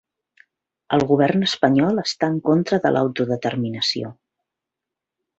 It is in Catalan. El govern espanyol està en contra de l'autodeterminació